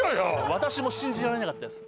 私も信じられなかったです